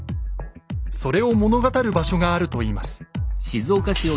それを物語る場所があるといいます。